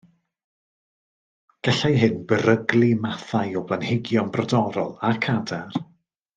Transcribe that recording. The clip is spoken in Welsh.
Gallai hyn beryglu mathau o blanhigion brodorol ac adar.